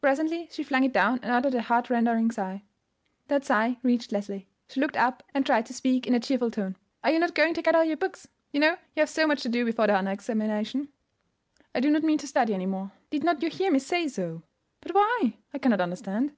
Presently she flung it down and uttered a heartrending sigh. That sigh reached Leslie. She looked up, and tried to speak in a cheerful tone. "Are not you going to get out your books? You know you have so much to do before the honor examination?" "I do not mean to study any more. Did not you hear me say so?" "But why? I cannot understand."